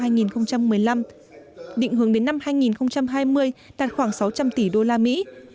định hướng đến năm hai nghìn hai mươi đạt khoảng sáu trăm linh tỷ đô la mỹ